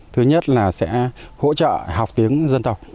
thứ nhất là sẽ hỗ trợ học tiếng dân tộc